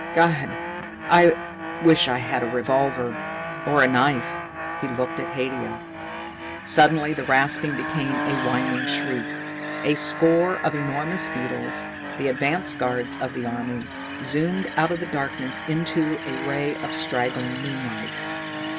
"God, I wish I had a revolver, or a knife!" He looked at Haidia. Suddenly the rasping became a whining shriek. A score of enormous beetles, the advance guards of the army, zoomed out of the darkness into a ray of straggling moonlight.